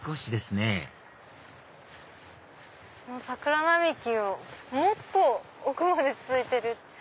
桜並木もっと奥まで続いてる！